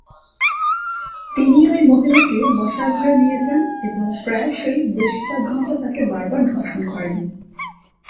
তিনি ওই মহিলাকে বসার ঘরে নিয়ে যান এবং প্রায়শই বেশ কয়েক ঘন্টা তাকে বারবার ধর্ষণ করেন।